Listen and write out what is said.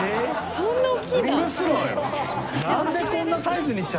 そんな大きいんだ。